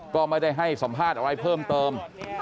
ก็ไม่ได้ให้สัมภาษณ์อะไรเพิ่มเติม